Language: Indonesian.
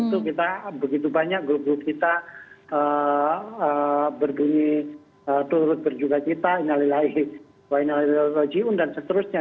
itu kita begitu banyak grup grup kita berdiri turut berjuga cita inalilahi wa inalilahi wa jiyun dan seterusnya